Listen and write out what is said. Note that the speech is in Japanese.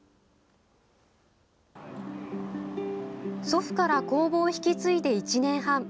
祖父から工房を引き継いで１年半。